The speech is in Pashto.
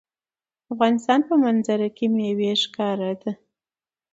د افغانستان په منظره کې مېوې ښکاره ده.